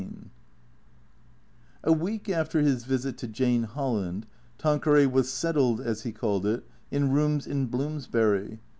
XVI A WEEK after his visit to Jane Holland, Tanqueray was settled, as he called it, in rooms in Bloomsbury.